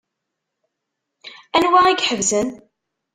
Anwa i iḥebsen?